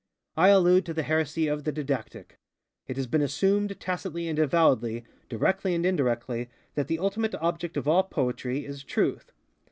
I allude to the heresy of _The Didactic. _It has been assumed, tacitly and avowedly, directly and indirectly, that the ultimate object of all Poetry is Truth.